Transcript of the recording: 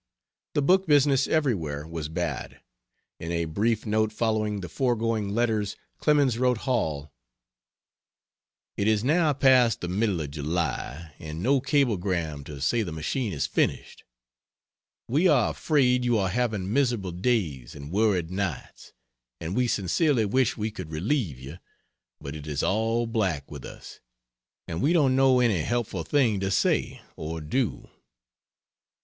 The book business everywhere was bad. In a brief note following the foregoing letters Clemens wrote Hall: "It is now past the middle of July and no cablegram to say the machine is finished. We are afraid you are having miserable days and worried nights, and we sincerely wish we could relieve you, but it is all black with us and we don't know any helpful thing to say or do."